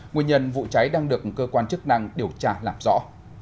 nguyên nhân vụ cháy đang được cơ quan chức năng điều tra làm rõ